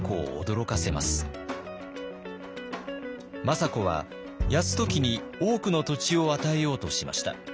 政子は泰時に多くの土地を与えようとしました。